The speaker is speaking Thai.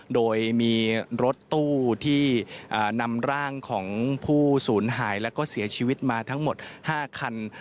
โดยมีรถตู้ที่นำร่างของผู้สูญหายแล้วก็เสียชีวิตมาทั้งหมด๕คัน